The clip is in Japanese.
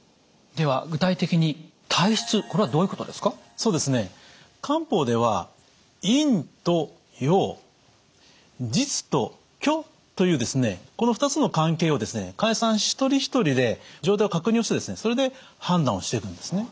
そうですね漢方では陰と陽実と虚というこの２つの関係を患者さん一人一人で状態を確認をしてそれで判断をしていくんですね。